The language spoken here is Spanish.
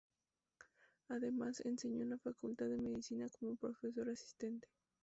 Además, enseñó en la Facultad de Medicina como profesor asistente.